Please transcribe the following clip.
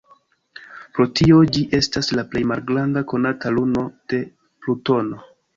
Pro tio, ĝi estas la plej malgranda konata luno de Plutono.